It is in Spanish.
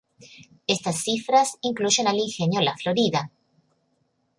Estas cifras incluyen al Ingenio La Florida.